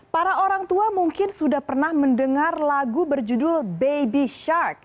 para orang tua mungkin sudah pernah mendengar lagu berjudul baby shark